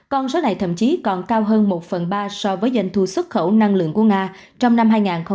con số này thậm chí còn cao hơn một phần ba so với doanh thu xuất khẩu năng lượng của nga trong năm hai nghìn hai mươi